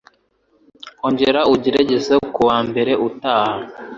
Ongera ugerageze kuwa mbere utaha.